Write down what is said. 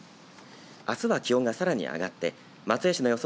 あすは気温がさらに上がって松江市の予想